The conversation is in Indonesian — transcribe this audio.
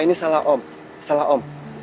ini salah om